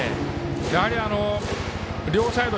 やはり両サイド